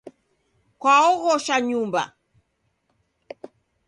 Kwaoghosha Nyumba.